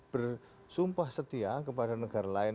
bersumpah setia kepada negara lain